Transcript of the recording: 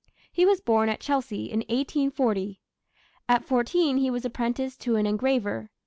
He was born at Chelsea in 1840. At fourteen he was apprenticed to an engraver.